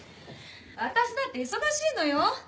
私だって忙しいのよ？